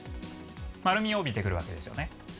丸みを帯びてくるわけですよね。